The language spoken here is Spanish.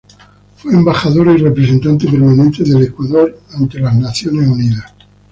Fue Embajador y Representante Permanente del Ecuador ante Naciones Unidas.